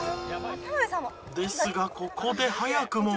ですがここで早くも。